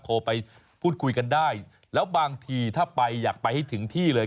โทรไปพูดคุยกันได้แล้วบางทีถ้าไปอยากไปให้ถึงที่เลย